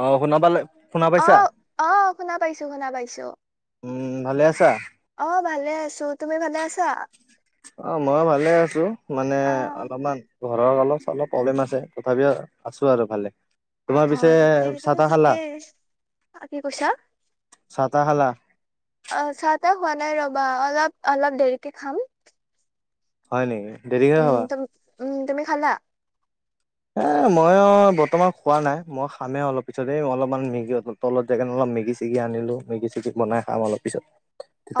অ', শুনা পালে, শুনা অ পাইছা? অ', শুনা পাইছো শুনা পাইছো। উম, ভালে আছা? অ', ভালে আছো, তুমি ভালে আছা? অ', মই ভালে আছো মানে অ অলপমান ঘৰৰ অলপ-চলপ প্ৰব্লেম আছে তথাপিও আছো আৰু ভালে। অ তোমাৰ অ পিছে তাকে সেইটোতো চাহ-তাহ খালা, থাকেই কি কৈছা চাহ-তাহ খালা? অ', চাহ-তাহ খোৱা নাই ৰ'বা অলপ অলপ দেৰিকে খাম। হয় নেকি, দেৰিকে উম খাবা? তুম উম, তুমি খালা? এ ময়ো বৰ্তমান খোৱা নাই, মই খামহে অলপ পিছতে অলপমান মেগি [unintelligible] তলত যাই কেনে অলপ মেগি-চেগি আনিলো মেগি-চেগি বনাই খাম অলপ পিছত।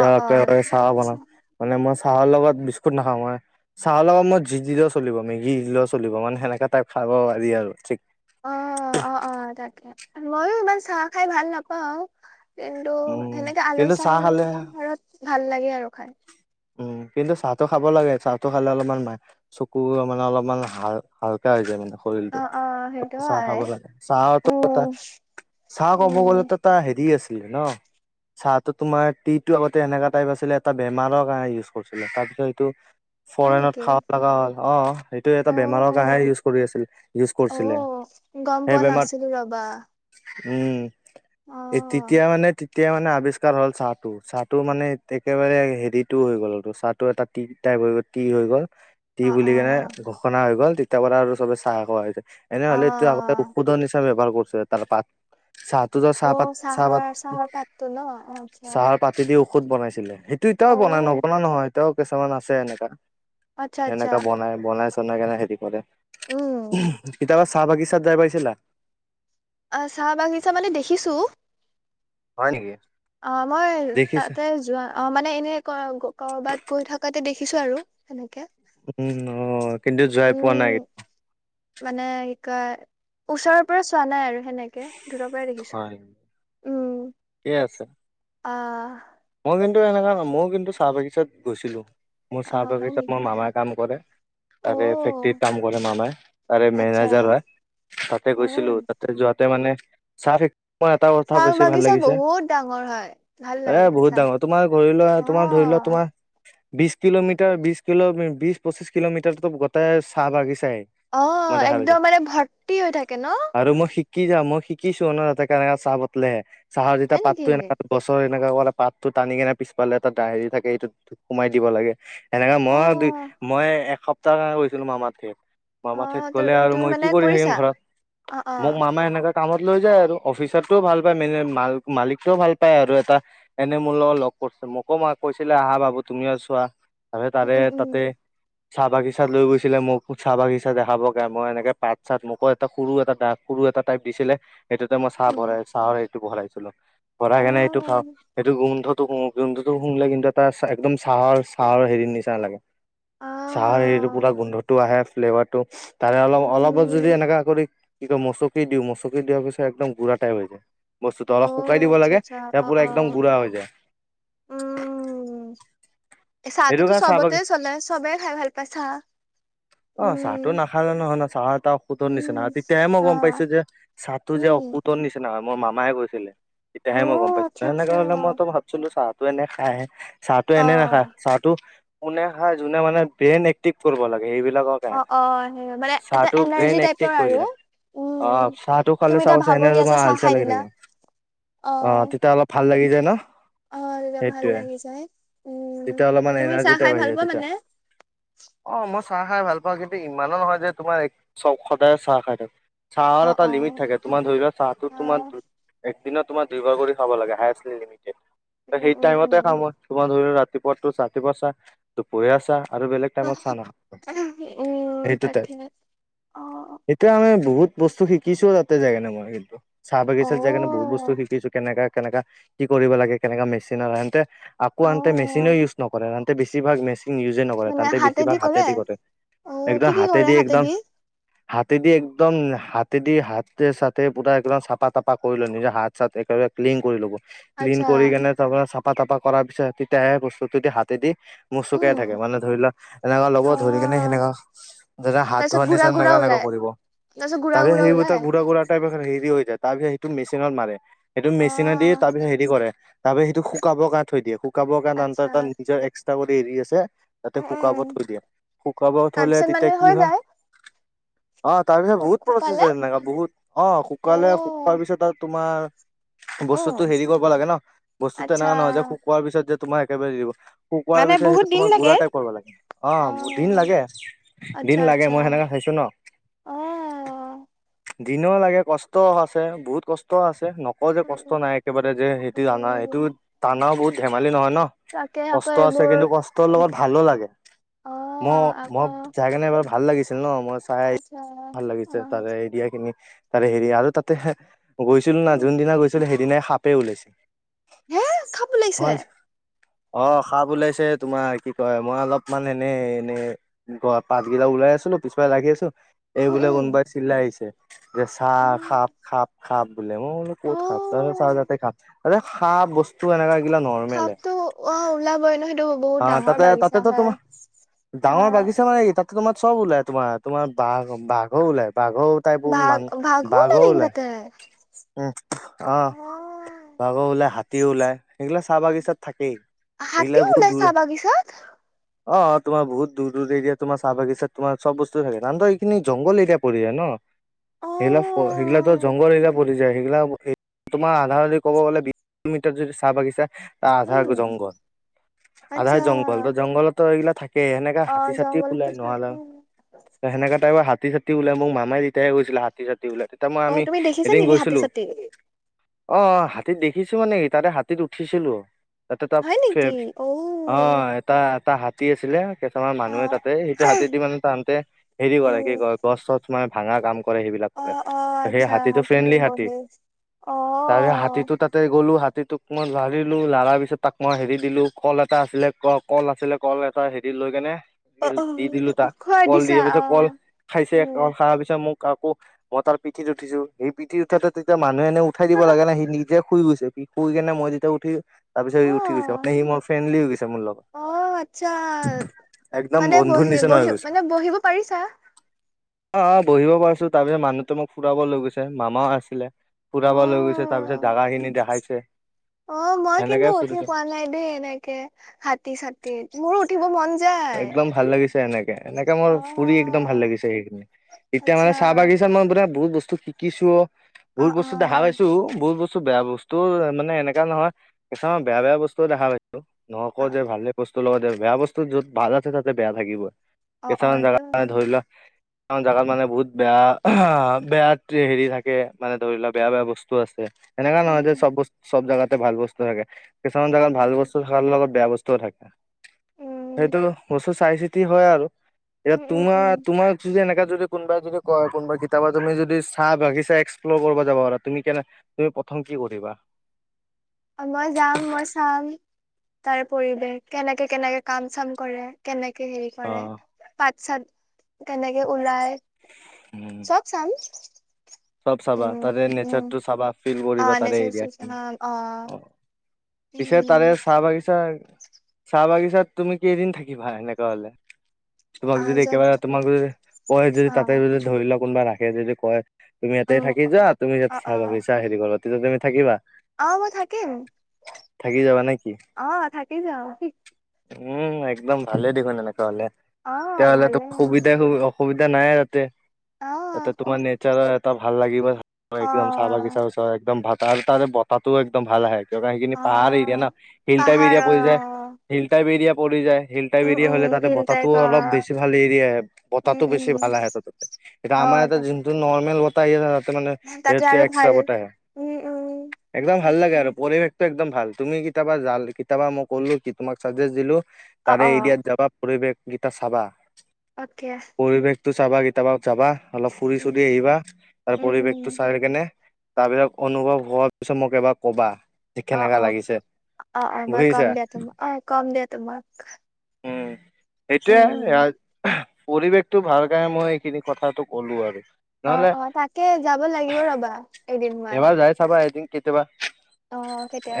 অ অ একেবাৰে ঠিকে চাহ আছে বনাম, মানে মই চাহৰ লগত বিস্কুট নাখাওঁ মই চাহৰ লগত মই যি দিলেও চলিব মেগী দিলেও চলিব মানে সেনেকা টাইপ খাব পাৰি আৰু ঠিক অ', অ', অ', তাকে ময়ো ইমান চাহ খাই ভাল নাপাওঁ। কিন্তু উম। সেনেকে আল কিন্তু চাহ খালে [unintelligible] ঘৰত ভাল লাগে আৰু খাই। উম, কিন্তু চাহটো খাব লাগে খালে অলপমান ম চকু মানে হাল হালকা হৈ যায় মানে অ শৰীৰটো, অ সেইটো চাহ হয় খাব লাগে চাহটো এটা উম চাহ ক'ব উম গ'লে ত' এটা হেৰি আছিলে ন' চাহটো তোমাৰ টি টো আগতে এনেকা টাইপ আছিলে এটা বেমাৰৰ [unintelligible] ইউজ কৰিছিলে, তাৰপিছত এইটো হয় ফৰেইনত নেকি খাব লগা হ'ল অ', সেইটোয়ে এটা বেমাৰৰ অ কাৰনেহে ইউজ কৰি আছিল। ইউজ কৰিছিলে। অ' গ'ম সেই পোৱা বেমাৰ নাছিলো ৰ'বা। উম, এই অ' তেতিয়া মানে তেতিয়া মানে আৱিষ্কাৰ হ'ল চাহটো, চাহটো মানে একেবাৰে হেৰিত টো হৈ গ'ল চাহটো এটা টি টাইপ হৈ গ'ল টি হৈ গ'ল টি অ' বুলি কেনে অ' খানা হৈ গ'ল তেতিয়াৰ পৰা আৰু চবে চাহ খোৱা হৈছে, এনেহ'লে আগতে অ' ঔষধ হিচাপে ব্যৱহাৰ কৰিছে। চাহ পাত, চাহটো চাহপাত অ' চাহপাত চাহৰ চাহৰ পাতটো ন আচ্ছা চাহৰ পাত সেইটো দি ঔষধ বনাইছিলে, সেইটো এতিয়াও বনাই অ' নবনা নহয় এতিয়াও কিছুমান আছে এনেকা। আচ্ছা আচ্ছা সেনেকা বনাই বনাই চনাই কেনে হেৰি কৰে। উম কেতিয়াবা চাহ বাগিচাত যাই পাইছিলা? অ চাহ বাগিচা মানে দেখিছোঁ। হয় নেকি? অ মই দেখিছা তাতে যোৱা অ মানে এনে ক'ৰবাত গৈ থকাতে দেখিছো আৰু সেনেকে। উম অ কিন্তু যায় পোৱা নাই। উম মানে কি কয় ওচৰৰ পৰা চোৱা নাই আৰু সেনেকে দূৰ পৰাই দেখিছো হয় উম ঠিকে আছে আহ। মই কিন্তু এনেকুৱা নহয় মই কিন্তু চাহ বাগিচাত গৈছিলোঁ, মোৰ চাহ আহ হয় বাগিচাত নেকি মোৰ মামাই কাম কৰে। তাৰে অ' ফেক্টৰিত কাম কৰে মামাই তাৰে আচ্ছা মেনেজাৰ হয়। তাতে গৈছিলোঁ অ' তাতে যাওঁতে মানে, চাহ ফে মই এটা কথা চাহ বেছি ভাল বাগিচা লাগিছে বহুত ডাঙৰ হয় ভাল এ লাগে বহুত চাহ ডাঙৰ, তোমাৰ ধৰি লোৱা তোমাৰ ধৰি লোৱা অ', তোমাৰ বিশ কিলোমিটাৰ, বিশ কিলো বিশ পঁচিশ কিলোমিটাৰতো গোটেই চাহ বাগিচাই। অ মই দেখা পাইছো একদম মানে ভৰ্তি হৈ থাকে ন। আৰু মই শিক্ষ শিকি যাম মই শিকিছো অ ন এতে কেনেকে চাহ পাত বতলে, চাহৰ যেতিয়া হয় নেকি পাতটো এ গছৰ এনে পাতটো টানি কেনে পিছফালে এটা দাহ হেৰি থাকে সেইটোত সোমাই দিব লাগে। এনেকা মই দু অ', মই এসপ্তাহ কাৰণে গৈছিলো মামা তাতে। মামা ঠাইত অ', তু গ'লে আৰু তুমি মই মানে কি কৰি থাকিম কৰিছা ঘৰত, অ', মোক অ', মামা এনেকা কামত লৈ যায় আৰু। অফিচাৰটোও ভাল পায় মে মা-মালিকেও পায় আৰু এটা এনে মোৰ লগত লগ কৰিছে, মোকো মা কৈছিলে আহা বাবু তুমিও চোৱা। আৰে উম, তাৰে উম, উম, তাতে চাহ বাগিচাত লৈ গৈছিলে মোক চাহ বাগিচা দেখাবগে, মই এনেকে পাত চাত মোকো এটা সৰু এটা দাব সৰু এটা টাইপ দিছিলে সেইটোতে মই চাহ উম, ভৰাই চাহৰ এইটো ভৰাইছিলো ভৰাই কেনে সেইটো খাওঁ অ', সেইটো গোন্ধটো শু গোন্ধটো শুঙিলে কিন্তু এটা একদম চাহৰ চাহৰ হেৰিৰ নিচনা লাগে। চাহৰ হেৰিটো অ', পুৰা গোন্ধটো আহে ফ্লেভাৰটো। তাৰে অলপ উম, অলপত যদি উম, এনেকা কৰি কি কয় মচকি দিওঁ মচকি দিয়াৰ পিছত একদম গুড়া টাইপ হৈ যায়। বস্তুতটো অলপ শুকাই অ', দিব আচ্ছা, লাগে আচ্ছা তাৰপা অ', পুৰা একদম অ', গুড়া হৈ যায়। উম সেইটো চাহটোতো কাৰণে চাহ বাগি চবতে চলে চবেই খাই ভাল পায় চাহ। অ চাহটো উম, নাখালে নহয় ন, চাহো এটা ঔষধৰ নিচিনা উম, তেতিয়াই মই গম অ', পাইছো যে চাহটো যে উম, ঔষধৰ নিচিনা হয় মোৰ মামাই কৈছিলে তেতিয়াহে মই গম অ', পাইছিলো, আচ্ছা, সেনেকে আচ্ছা হ'লে মইতো কিন্তু চাহটো এনে খাইহে চাহটো এনে অ', নাখায় চাহটো কোনে খাই যোনে মানে বেইন এক্টিভ কৰিব লাগে সেইবিলাকক অ অ সেই মানে এটা এনাৰ্জি এক্টিভ টাইপৰ কৰি আৰু। যায় উম অ চাহটো খালে তুমি এতিয়া চাবা চোন এনে ভাগৰি আছা তোমাৰ চাহ হালচা খাই লাগি দিলা থাকিব অ তেতিয়া অলপ ভাল লাগি যায় ন? অ তেতিয়া ভাল সেইটোয়ে লাগি যায় উম, তেতিয়া অলপমান তুমি এনাৰ্জি চাহ টাইপ খাই আহি ভাল যায় পোৱা তেতিয়া মানে? অ মই চাহ খাই ভাল পাওঁ কিন্তু ইমানো নহয় যে তোমাৰ চব সদায় চাহ খাই থাকো। চাহৰ অ এটা অ লিমিট থাকে তোমাৰ ধৰি লোৱা চাহটো অ তোমাৰ একদিনত তোমাৰ দুইভাৰ কৰি খাব লাগে হায়চ লিমিটেড ত উম সেই উম টাইমতে উম খাওঁ মই, তোমাৰ ধৰি লোৱা ৰাতিপুৱাটো ৰাতিপুৱা চাহ, দুপৰীয়া চাহ আৰু বেলেগ টাইমত চাহ নাখাওঁ। উম, সেইটো টাইপ তাকেহে অঁ। এতিয়া আমি বহুত বস্তু শিকিছো তাতে যায় কিনে মই কিন্তু। চাহ অ বাগিচাত যাই কাৰণে বহুত বস্তু শিকিছো, কেনেকা কেনেকা কি কৰিব লাগে কেনেকা মেচিনৰ ইহঁতে আকৌ অ আনতে মেচিনে ইউজ নকৰে, ইনতে বেছিভাগ মেচিন ইউজে নকৰে, মানে হেন্তে বেছিভাগ হাতেদি হা তে দি কৰে, অ একদম কি কি হাতে কৰে দি একদম হাতেদি হাতেদি একদম হাতেদি হাতে চাতে পুৰা একদম চাফা টাফা কৰি লয়, নিজৰ হাত চাত একেবাৰে ক্লিন কৰি ল'ব। ক্লিন আচ্ছা কৰি কেনে তাৰপা চাফা তাফা কৰাৰ পিছত তেতিয়াহে বস্তুটো হাতে দি, মোচোকাই উম থাকে মানে ধৰি লোৱা এনেকুৱা ল অ ব ধৰি কেনে সেনেকা যে হাত ধোৱা নিচিনা এনেকা এনেকা কৰিব। তাৰ পাছত ঘূৰা ঘূৰা ওলায়। কুৰা টাইপ হেৰি হৈ যায়, তাৰ পিছত সেইটো মেচিনত মাৰে সেইটো অ মেচিনে দি তাৰ পিছত হেৰি কৰে। তাৰপা সেইটো শুকাব কাৰণে থৈ দিয়ে, শুকাব কাৰণে আচ্ছা তাত নিজৰ এক্সট্ৰা কৰি এৰি আছে। তাতে উম শুকাব উম থৈ দিয়ে, শুকাব থলে তাৰপিছত তেতিয়া মানে কি হৈ হয়, যায়। অঁ তাৰপিছত বহুত প্ৰছেছ শুকালে? হয় এনেকা বহুত। অঁ, শুকুৱালে অ', শুকোৱাৰ পিছত আৰু তোমাৰ বস্তুটো অ', হেৰি কৰিব লাগে ন, বস্তুতো আচ্ছা। এনেকুৱা নহয় যে শুকোৱাৰ পিছত যে তোমাৰ একেবাৰে দিব। শুকুৱাৰ মানে পাছত সেইটো বহুত দিন তোমাৰ লাগে। গুড়া টাইপ কৰিব লাগে। অঁ বহু দিন অ', লাগে, আচ্ছা দিন লাগে আচ্ছা মই সেনেকা খাইছো ন। অ'। দিনো লাগে কষ্টও আছে, বহুত কষ্ট আছে নকওঁ যে উম, কষ্ট উম, নাই। একেবাৰে যে সেইটো আনা সেইটো উম, টানাও বহুত ধেমালি নহয় ন। তাকে আকৌ কষ্ট আছে, এইবোৰ কিন্তু কষ্টৰ লগত ভালো লাগে। অ', ম আকৌ মই যাই কাৰণে এবাৰ ভাল লাগিছিল ন। মই চাই আচ্ছা ভাল লাগিছে, অ', তাৰে এৰিয়াখিনি তাৰে হেৰি আৰু তাতে গৈছিলো না উম। যোনদিনা গৈছিলো সেইদিনাই সাপে ওলাইছিল। [inaudible] হে সাপ ওলাইছে? অঁ সাপ ওলাইছে, তোমাৰ কি কয় মই অলপমান এনে এনেই গ পাতগেইটা ওলাই আছিলো পিছফালে লাগি আছো, এই বোলে উম, কোনোবাই চিলাইছে যে চা সাপ উম, সাপ বোলে, মই বোলো অ', কত সাপ, তাপাছত চাওঁ অ'। তাতে সাপ। আৰু সাপ বস্তু টো এনেকাগিলা নৰ্মলে, সাপটো অ', ওলাবই ন সেইটো বহুত অঁ ডাঙৰ তাতে বাগিচা তাতেতো হয়। তোমাৰ ডাঙৰ অ', বাগিচা মানে তাতটো তোমাৰ চব ওলাই তোমাৰ তোমাৰ বাঘ বাঘো ওলায়, বাঘো তাই বোৰ বাঘ মান ওলাই বাঘো নেকি ওলায়। তাতে? উম অঁ, বাঘো ওলাই হাতীয়ো ওলাই সেইগিলা চাহ বাগিচাত থাকেই। হাতীয়ো ওলাই চাহবাগিচাত। অঁ। তোমাৰ বহুত দূৰ দূৰ এৰিয়া তোমাৰ চাহ বাগিছাত তোমাৰ চব বস্তু থাকে ন, এইখিনি জংঘল এৰিয়া পৰি যায় ন। অ সেইগিলা ফ সেইগিলাক জংঘল এৰিয়া প ৰি যায়, সেইগিলাক তোমাৰ আধা আধি ক'ব গলে বি তুমি যদি চাহ বাগিচা আধা উম জংঘল, আধা আচ্ছা জংঘল। ত জংঘলতটো এইগিলাক থা কে সেনেকা অ হাতী চাতি জংঘলতো ওলাই থাকে নহলেও, সেনেকা টাইপৰ হাতী চা তী ওলাই মোক মামাই তেতিয়াহে কৈছিলে হাতী ছাতি ওলাই তেতিয়া, মই অ আমি তুমি দেখিছা এদিন নেকি হাতী গৈছিলো। চাতী অঁ, হাতী দেখিছো মানে তাতে হাতীত উঠিছিলো। তাতে ত হয় ফে নেকি অ হয়। এটা-এটা হাতী আছিলে কেইটামান অ মানুহে তাতে সেইটো হাতী দি মানে তাহঁআতে হেৰি কৰে উম কি কয় গছ-চছ মানে ভাঙা কাম। কৰে অ সেইবিলাকে। অ সেই আচ্ছা হাতীটো হাতীতে ফ্ৰেণ্ডলী হাতী। বহি অ তাৰে হাতীটো তাত তাতে গ'লোঁ, হাতীটোক মই লাৰিলো, লাৰাৰ পিছত তাক মই হেৰি দিলো কল এটা আছিলে কল আছিলে কল এ তাৰ পৰা হেৰী লৈ কেনে অ অ দি দিলোঁ তাক। খোৱাই কল দিছা দিয়াৰ অ পিছত কল খাইছে উম কল খাৱা পিছত মোক আকৌ মই তাৰ পিঠিত উঠিছো, সেই পিঠিত উঠাতে তেতিয়া মানুহে এনে উঠাই দিব লাগে নে সি নিজে শুই গৈছে সি, শুই কিনে মই যেতিয়া উঠি তাৰ অ পিছতি উঠি গৈছে, মানে সি মোৰ ফ্ৰেণ্ডলি হৈ গৈছে মোৰ লগত। অঁ! আচ্ছা একদম মানে বন্ধুৰ নিচিনা হৈ বহি-বহি গৈছে। মানে বহিব পাৰিছা? অঁ-অঁ! বহিব পাৰিছো, তাৰপিছত মানুহটোৱে মোক ফুৰাব লৈ গৈছে মামাও আছিলে। ফুৰাব লৈ গৈছে অ তাৰপিছত জাগাখিনি দেখাইছে। মই সেনেকে কিন্তু উঠি ফুৰিছো পোৱা নাই দেই এনেকে হাতী-চাতী। মোৰো উঠিব মন যায়। একদম ভাল লাগিছে এনেকে, এনেকে অ মোৰ ফুৰি একদম ভাল লাগিছে সেইখিনি। এতিয়া মানে আচ্ছা চাহ বাগিচাত মই আপোনাৰ বহুত বস্তু শিকিছোঁ, অ বহুত অ বস্তু দেখা পাইছোঁ, বহুত বস্তু কিছু বেয়া বস্তুও মানে এনেকা নহয় কিছুমান বেয়া-বেয়া বস্তু দেখা পাই নহ আকৌ অ যে ভাল বস্তু লগত বেয়া বস্তু যত ভাল আছে তাতে বেয়া থাকিব। অ অ কিছুমান জাগা এইটো কাৰণে ধৰি লোৱা কিছুমান জেগাত মানে বহুত বেয়া [unintelligible] বেয়া হেৰি থাকে মানে ধৰি লোৱা বেয়া-বেয়া বস্তু আছে। এনেকা নহয় উম যে চব বস্তু চব জাগাতে ভাল বস্তু থাকে। কিছুমান উম উম জেগাত ভাল বস্তু থাকাৰ লগত বেয়া বস্তুও থাকে। উম সেইটো বস্তু চাই চি চিতি হয় আৰু। এতিয়া উম উম তোমাৰ উম তোমাক যদি এনেকা যদি কোনোবাই যদি কয়, কোনোবাই কেতিয়াবা তুমি যদি চাহ বাগিছা লব বা যাব পাৰা তুমি কেনে তুমি প্ৰথম কি কৰিবা? মই যাম, মই চাম তাৰ পৰিৱেশ কেনেকে-কেনেকে কাম-চাম কৰে। কেনেকে হেৰি কৰে, অ' পাত-চাত কেনেকে উলাই। উম! চব চাম। চব চাবা উম তাৰে উম নেচাৰটো চাবা, ফিল অ কৰিবা তাৰে নেচাৰেল অ অ এৰিয়াখিনি। পিছে উম তাৰে চাহ বাগিচা, চাহ বাগিচাত তুমি কেইদিন থাকিবা এনেকা হ'লে? আ তোমাক যদি যত একেবাৰে তোমাক যদি কয় যদি তাতে যদি ধৰি লোৱা কোনোবা ৰাখে যদি কয়। তুমি অ ইয়াতে থাকি যোৱা, তুমি অ ইয়াতে চাহ বাগিছা খেতি কৰিবা, তেতিয়া তুমি থাকিবা? অঁ! মই থাকিম। থাকি যাবা নে কি? অঁ থাকি যাম। উম! একদম ভালে দেখোন এনেকুৱা হ'লে, অ তেতিয়াহলেতো ভালে সুবিধাই হ'ব অ। অসুবিধা নাই আৰু তাতে, অ তাতে অ তোমাৰ নেট এটা ভাল লাগিব, একদম চাহ বাগিচাৰ ওচৰত একদম ভাতা আৰু তাৰে বতাহটোও একদম ভাল আহে। সেইখিনি অ পাহাৰ এৰিয়া না। হিল টাইপ পাহাৰ এৰিয়া অ পৰি যায়, হিল টাইপ এৰিয়া পৰি যায়, হিল হিল টাইপ উম এৰিয়া উম হ'লে তাতে হিল টাইপ বতাহটোও অ অলপ বেছি ভাল এৰিয়া আহে, উম বতাহতো উম বেছি ভাল আহে ত তাতে। এতিয়া অ আমাৰ ইয়াতে তাকে যোনটো নৰ্মেল বত হ তাতে মানে এইটো তাতে কি আৰু ভাল একষ্টা বতাহ আহে। উম উম একদম ভাল তাকে, লাগে আৰু পৰিৱেশ পৰিৱেশটো একদম ভাল, তুমি কেতিয়াবা যা কেতিয়াবা মই ক'লো কি তোমাক চাজেষ্ট দিলোঁ অ তাৰে অ এৰিয়াত যাবা পৰিৱেশকেইটা চাবা। অ'কে। পৰিৱেশটো চাবা, কেতিয়াবা চাবা অলপ উম ফুৰি-চুৰি আহিবা তাৰ উম উম পৰিৱেশটো চাই কেনে তাৰপিছত অনুভব হোৱাৰ পিছত এবাৰ ক'বা। যে অ', কেনেকা অ', লাগিছে অ', অ' মই ক'ম বুজিছা। দিয়া তোমক অ' ক'ম দিয়া তোমাক। উম, উম এইটোয়ে পৰিৱেশটো ভাল কাৰণে মই এইখিনি কথাটো কলো আৰু। [inaudible] অ', অ' তাকে যাব লাগিব ৰ'বা এদিন মান। এবাৰ যাই চাবা এদিন কেতিয়াবা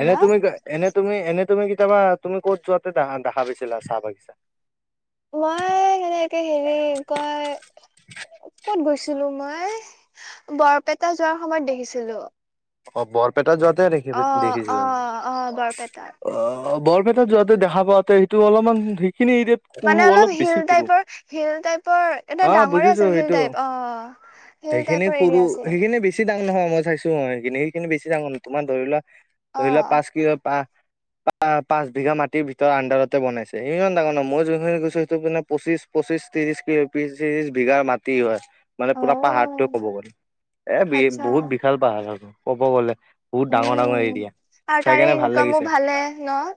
এনে তুমি এনে তুমি এনে তুমি কেতিয়াবা তুমি ক'ত যোৱাতে দেখা পাইছিলা চাহ বাগিছা? মই সেনেকে হেৰি কি কয় ক'ত গৈছিলো মই,? বৰপেটা যোৱাৰ সময়ত দেখিছিলো। অ' বৰপেটাত যোৱাতে অ অ দেখিছিলো নেকি? অ বৰপেটাত অ, বৰপেটাত যোৱাতে দেখা পাতে সেইটো অলপমান সেইখিনি এৰিয়াত সৰু মানে অলপ বেছি হিল সৰু টাইপৰ হিল টাইপৰ এটা অ ডাঙৰে বুজিছো আছিল হিল সেইটো টাইপ অ,। হিল সেইখিনি টাইপৰ সৰু এৰিয়া আছিল সেইখিনি বেছি ডাঙৰ নহয় মই চাইছো অ, সেইখিনি সেইখিনি বেছি ডাঙৰ নহয় তোমাৰ ধৰি লোৱা অ ধৰি লোৱা পাঁচ কিবা পা আহ পাঁচ বিঘা মাটিৰ ভিতৰত আন্দাৰতে বনাইছে ইমান ডাঙৰ ন মই যোনিনি গছো সেইটো মানে পঁচিশ পঁচিশ ত্ৰিশ পি ত্ৰিশ বিঘা মাটি হয় মানে অ পুৰা পাহাৰ কব গ'লে এ, আচ্ছা বহুত বিশাল পাহাৰ আৰু ক'ব গ'লে বহুত ডাঙৰ ডাঙৰ উম এৰিয়া। আৰু চাই তাৰে কেনে ভাল ইনকামো ভালে ন'?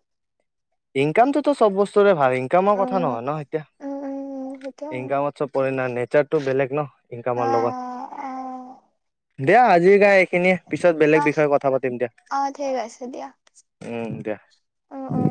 ইনকামটোত চব বস্তুৰে ভাল ইন ইনকামৰ কথা উম নহয় ন' এতিয়া উম উম সেইটোৱে ইনকামত চব পৰে না' নেচাৰটো বেলেগ ন'। অ ইনকামৰ লগত অ দিয়া আজি কাৰনে এইখিনিয়ে। পিছত বেলেগ আহ বিষয়ে কথা পাতিম দিয়া। আহ ঠিক উম, দিয়া। অ-অ।